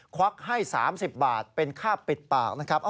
ควักให้๓๐บาทเป็นค่าปิดปากนะครับ